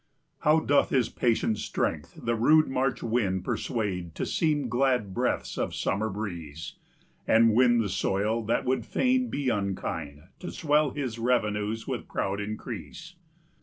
How doth his patient strength the rude March wind Persuade to seem glad breaths of summer breeze, And win the soil that fain would be unkind, To swell his revenues with proud increase!